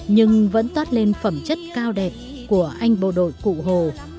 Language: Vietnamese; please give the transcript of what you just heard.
nhưng vẫn toát lên phẩm chất cao đẹp của anh bộ đội cụ hồ